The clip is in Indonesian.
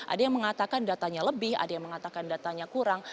ada yang mengatakan datanya lebih ada yang mengatakan datanya kurang